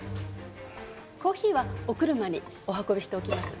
コーヒーはお車にお運びしておきます。